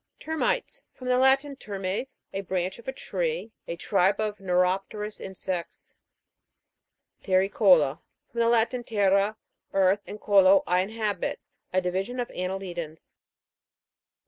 TER'MITES. From the Latin, termes, a branch of a tree. A tribe of neuropterous insects. TERRICO'LA. From the Latin, terra, earth, and colo, I inhabit. A divi sion of annelidans.